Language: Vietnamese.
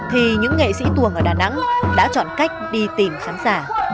thì những nghệ sĩ tuồng ở đà nẵng đã chọn cách đi tìm khán giả